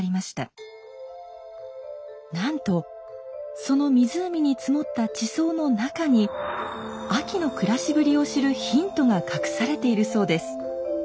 なんとその湖に積もった地層の中にあきの暮らしぶりを知るヒントが隠されているそうです。